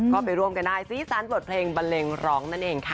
ก็ไปร่วมกันได้สีสันบทเพลงบันเลงร้องนั่นเองค่ะ